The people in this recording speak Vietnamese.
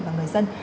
và người dân